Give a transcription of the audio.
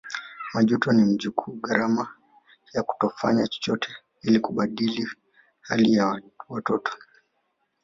Majuto ni mjukuu gharama ya kutokufanya chochote ili kubadili hali ya watoto